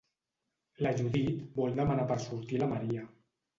La Judit vol demanar per sortir a la Maria.